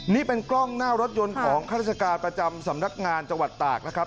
นี่เป็นกล้องหน้ารถยนต์ของข้าราชการประจำสำนักงานจังหวัดตากนะครับ